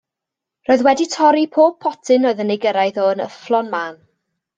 Roedd wedi torri pob potyn oedd yn ei gyrraedd o yn yfflon mân.